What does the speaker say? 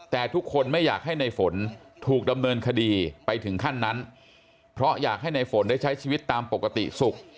แต่ทุกคนไม่อยากให้ในฝนถูกดำเนินคดีไปถึงขั้นนั้นเพราะอยากให้ในฝนได้ใช้ชีวิตตามปกติสุข